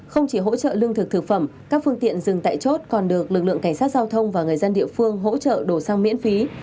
không chỉ hỗ trợ lương thực thực phẩm các phương tiện rừng tại chốt còn được lực lượng cảnh sát giao thông và người dân địa phương hỗ trợ đổ sang miễn phí